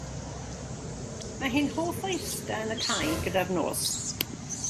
Mae hi'n hoff o ista yn y cae gyda'r nos.